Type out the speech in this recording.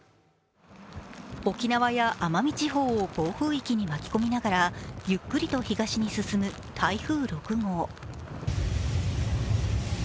沖縄や奄美地方を暴風域に巻き込みながらゆっくりと東に進む台風６号。